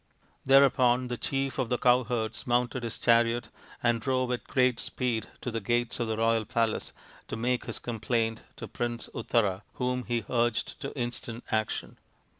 Thereupon the chief of the cowherds mounted his chariot and drove at great speed to the gates of the royal palace to make his complaint to Prince Uttara, whom he urged to instant action.